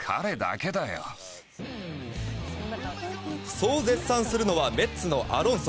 そう絶賛するのはメッツのアロンソ。